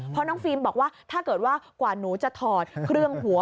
เพราะน้องฟิล์มบอกว่าถ้าเกิดว่ากว่าหนูจะถอดเครื่องหัว